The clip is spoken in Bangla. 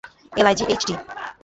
L I G H T.